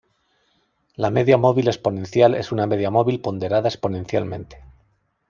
La media móvil exponencial es una media móvil ponderada exponencialmente.